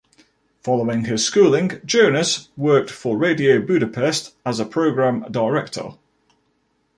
Following his schooling, Jonas worked for Radio Budapest as a program director.